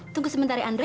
tunggu sebentar ya ndre